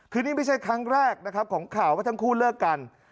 คือนี่ไม่ใช่ครั้งแรกนะครับของข่าวว่าทั้งคู่เลิกกัน